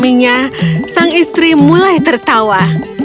suaminya sang istri mulai tertawa